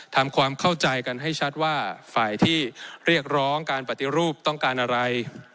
ทำความเข้าใจกันให้ชัดว่าฝ่ายที่เรียกร้องการปฏิรูปต้องการอะไร